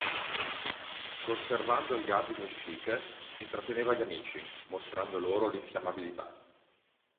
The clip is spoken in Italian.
Conservando il gas in vesciche, intratteneva gli amici, mostrando loro l'infiammabilità.